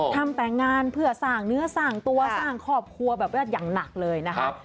ทำงานเพื่อสร้างเนื้อสร้างตัวสร้างครอบครัวแบบว่าอย่างหนักเลยนะครับ